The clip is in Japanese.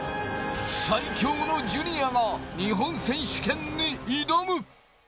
最強のジュニアが、日本選手権に挑む。